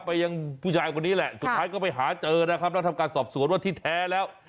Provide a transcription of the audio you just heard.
ไปยังผู้ชายคนนี้แหละสุดท้ายก็ไปหาเจอนะครับแล้วทำการสอบสวนว่าที่แท้แล้ว